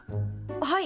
はい。